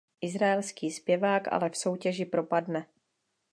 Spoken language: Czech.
Izraelský zpěvák ale v soutěži propadne.